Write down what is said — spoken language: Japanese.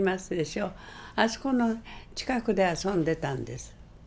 あそこの近くで遊んでたんです。